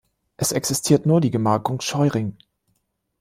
Es existiert nur die Gemarkung Scheuring.